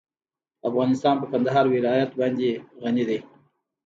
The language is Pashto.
افغانستان په کندهار ولایت باندې غني دی.